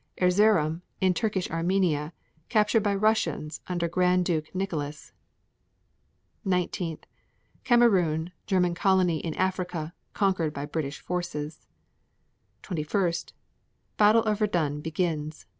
Erzerum, in Turkish Armenia, captured by Russians under Grand Duke Nicholas. 19. Kamerun, German colony in Africa, conquered by British forces. 21. Battle of Verdun begins.